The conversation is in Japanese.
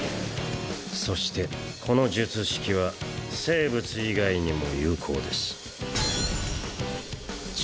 そしてこの術式は生物以外にも有効です。